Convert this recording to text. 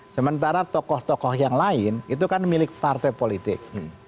sementara tokoh tokoh yang lain itu kan milik partai politik